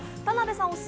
田辺さん